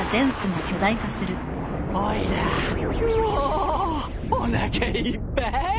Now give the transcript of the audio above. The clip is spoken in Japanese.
もうおなかいっぱい。